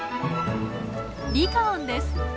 リカオンです。